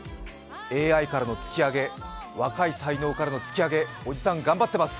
ＡＩからの突き上げ若い才能からの突き上げおじさん、頑張ってます。